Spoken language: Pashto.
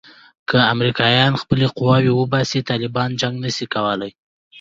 که امریکایان خپلې قواوې وباسي طالبان جنګ نه شي کولای.